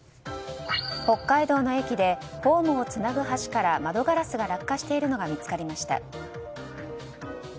北海道の駅でホームをつなぐ橋から窓ガラスが落下しているのが見つかりました。